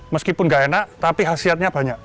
meskipun nggak enak tapi khasiatnya banyak